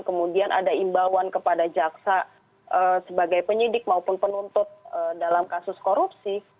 kemudian ada imbauan kepada jaksa sebagai penyidik maupun penuntut dalam kasus korupsi